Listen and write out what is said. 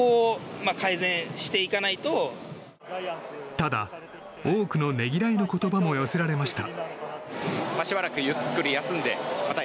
ただ、多くのねぎらいの言葉も寄せられました。